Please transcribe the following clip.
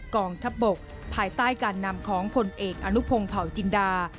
กองทัพบกภายใต้การนำของผลเอกอนุพงศ์เผาจินดา